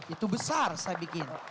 itu besar saya bikin